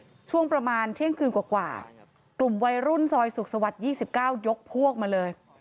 ช่วงประมาณเที่ยงคืนกว่ากลุ่มวัยรุ่นซอยสุขสวรรค์๒๙ยกพวกมาเลย